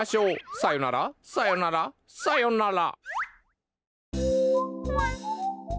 さよならさよならさよなら！